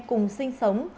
cùng sinh sống